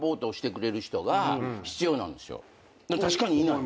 確かにいない。